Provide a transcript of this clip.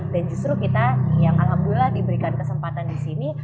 dan justru kita yang alhamdulillah diberikan kesempatan di sini